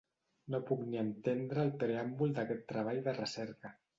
No puc ni entendre el preàmbul d'aquest treball de recerca.